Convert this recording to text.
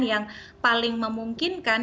yang paling memungkinkan